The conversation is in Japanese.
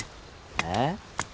えっ？